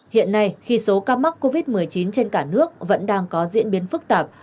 hiện nay khi số ca mắc covid một mươi chín trên cả nước vẫn đang có diễn biến phức tạp